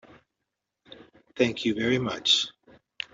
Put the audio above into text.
Thank you very much.